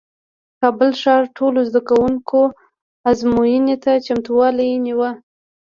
کابل ښار ټولو زدکوونکو ازموینې ته چمتووالی نیوه